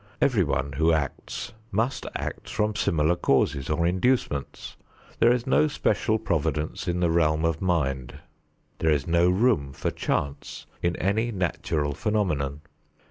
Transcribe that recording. Everyone who acts must act from similar causes or inducements. There is no special providence in the realm of mind. There is no room for chance in any natural phenomenon.